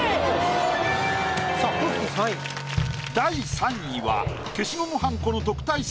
第３位は消しゴムはんこの特待生